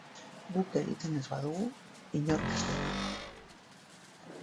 Guk egiten ez badugu, inork ez du egingo.